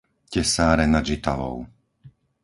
Tesáre nad Žitavou